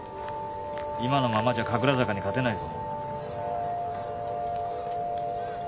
今のままじゃ神楽坂に勝てないぞ。